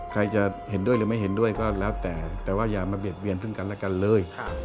ใครจะเห็นด้วยหรือไม่เห็นด้วยก็แล้วแต่แต่ว่าอย่ามาเบียดเวียนซึ่งกันและกันเลย